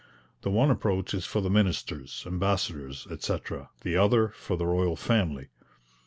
The one approach is for the ministers, ambassadors, etc., the other for the royal family.